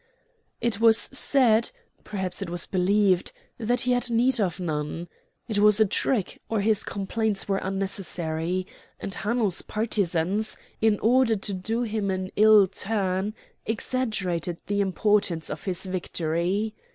It was said, perhaps it was believed, that he had need of none. It was a trick, or his complaints were unnecessary; and Hanno's partisans, in order to do him an ill turn, exaggerated the importance of his victory.